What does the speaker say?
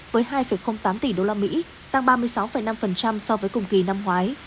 với hai tám tỷ usd tăng ba mươi sáu năm so với cùng kỳ năm ngoái